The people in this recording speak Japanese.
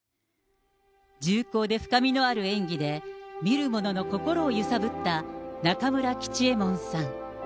重厚で深みのある演技で、見る者の心を揺さぶった中村吉右衛門さん。